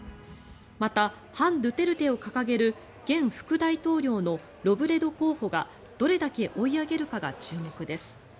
また、反ドゥテルテを掲げる現副大統領のロブレド候補がどれだけ追い上げるかが注目です。